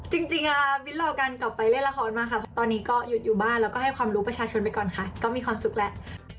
จริงมิ้นรอการกลับไปเล่นละครมาค่ะตอนนี้ก็หยุดอยู่บ้านแล้วก็ให้ความรู้ประชาชนไปก่อนค่ะก็มีความสุขแล้ว